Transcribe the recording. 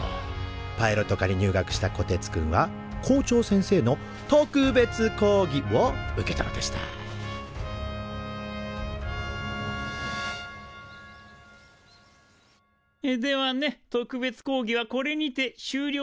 パイロット科に入学したこてつくんは校長先生の特別講義を受けたのでしたではね特別講義はこれにて終了でしゅりょ。